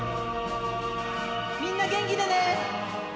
みんな元気でね。